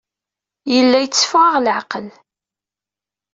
Yella yetteffeɣ-aɣ leɛqel.